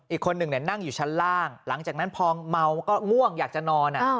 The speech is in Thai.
อีกคนหนึ่งนั่งอยู่ชั้นล่างหลังจากนั้นพอเมาก็ง่วงอยากจะนอน